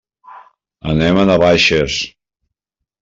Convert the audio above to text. Anem a Navaixes.